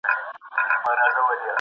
هغه وخت چې حقیقت ومنل شي، باور لوړېږي.